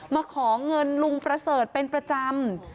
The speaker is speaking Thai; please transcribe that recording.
มาขอเงินลุงประเสริฐเป็นประจำ